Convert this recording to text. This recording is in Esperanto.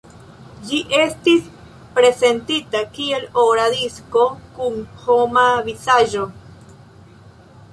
Ĝi estis prezentita kiel ora disko kun homa vizaĝo.